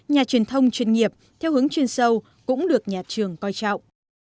nhà truyền thông chuyên nghiệp theo hướng chuyên sâu cũng được nhà trường coi trọng